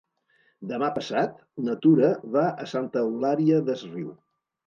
Demà passat na Tura va a Santa Eulària des Riu.